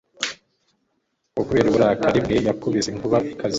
uwo kubera uburakari bwe yakubise inkuba ikaze